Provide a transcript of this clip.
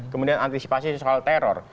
kemudian antisipasi soal teror